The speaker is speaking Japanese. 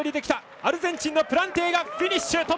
アルゼンチンのプランテイがフィニッシュ。